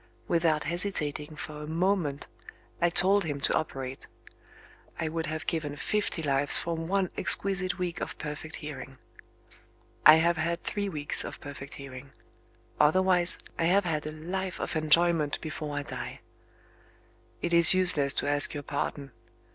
Without hesitating for a moment, I told him to operate. I would have given fifty lives for one exquisite week of perfect hearing. I have had three weeks of perfect hearing. Otherwise, I have had a life of enjoyment before I die. "It is useless to ask your pardon.